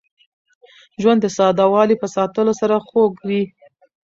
ژوند د ساده والي په ساتلو سره خوږ وي.